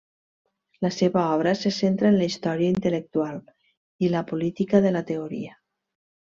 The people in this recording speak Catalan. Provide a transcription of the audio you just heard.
La seva obra se centra en la història intel·lectual i la política de la teoria.